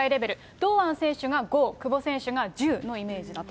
堂安選手が剛、久保選手が柔のイメージだと。